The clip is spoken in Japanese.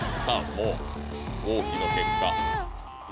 もう合否の結果えぇ！